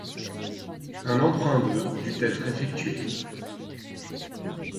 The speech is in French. Un emprunt de dut être effectué.